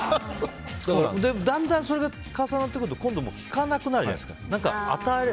だんだん、それが重なってくると今度聞かなくなるじゃないですか。